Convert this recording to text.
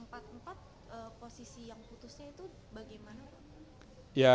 putusannya empat empat posisi yang putusnya itu bagaimana pak